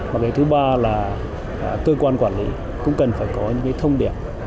và cái thứ ba là cơ quan quản lý cũng cần phải có những cái thông điệp